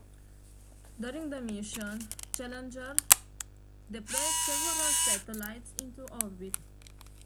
During the mission, "Challenger" deployed several satellites into orbit.